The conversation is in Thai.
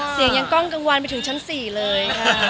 เสียงยังก้องกังวันไปถึงชั้นสี่เลย